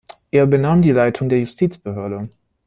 Er übernahm die Leitung der Justizbehörde.